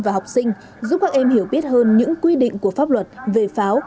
và học sinh giúp các em hiểu biết hơn những quy định của pháp luật về pháo